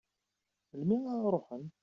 Melmi ara ruḥen?